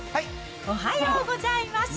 おはようございます。